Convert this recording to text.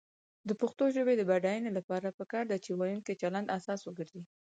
د پښتو ژبې د بډاینې لپاره پکار ده چې ویونکو چلند اساس وګرځي.